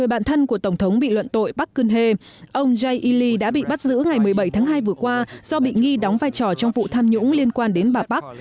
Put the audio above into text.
ông jay lee đã bắt giữ ngày một mươi bảy tháng hai vừa qua do bị nghi đóng vai trò trong vụ tham nhũng liên quan đến bà park